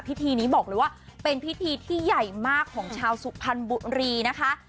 พิธีนี้บอกเลยว่าเป็นพิธีที่ใหญ่มากของชาวสุพรรณบุรีนะคะ